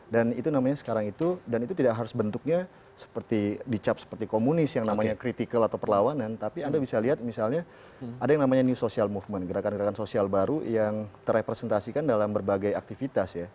itu namanya sekarang itu dan itu tidak harus bentuknya seperti dicap seperti komunis yang namanya kritikal atau perlawanan tapi anda bisa lihat misalnya ada yang namanya new social movement gerakan gerakan sosial baru yang terrepresentasikan dalam berbagai aktivitas ya